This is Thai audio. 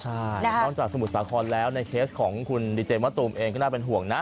ใช่นอกจากสมุทรสาครแล้วในเคสของคุณดีเจมะตูมเองก็น่าเป็นห่วงนะ